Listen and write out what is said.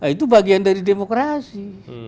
itu bagian dari demokrasi